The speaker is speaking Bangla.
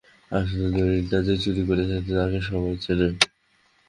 আসলে দলিলটা যে চুরি করেছে তাকে সবাই চেনে।